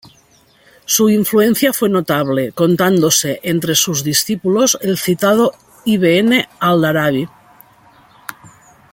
Su influencia fue notable, contándose entre sus discípulos el citado Ibn al-Arabi.